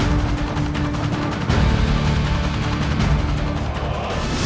jurus mata langit